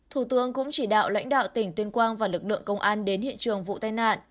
thủ tướng cũng chỉ đạo lãnh đạo tỉnh tuyên quang và lực lượng công an đến hiện trường vụ tai nạn